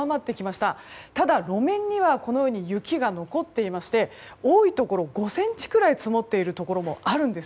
ただ路面に雪が残っていて多いところ、５ｃｍくらい積もっているところもあります。